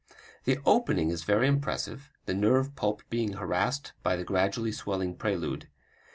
The opening is very impressive, the nerve pulp being harassed by the gradually swelling prelude.